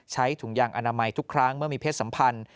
ถุงยางอนามัยทุกครั้งเมื่อมีเพศสัมพันธ์